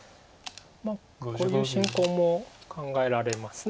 まあこういう進行も考えられます。